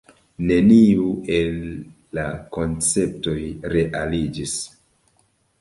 Neniu el la konceptoj realiĝis.